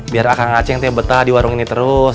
biar kang aceh yang betah di warung ini terus